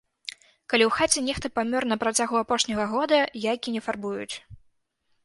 Калі ў хаце нехта памёр на працягу апошняга года, яйкі не фарбуюць.